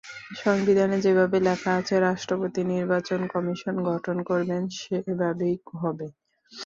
সংবিধানে যেভাবে লেখা আছে, রাষ্ট্রপতি নির্বাচন কমিশন গঠন করবেন, সেভাবেই হবে।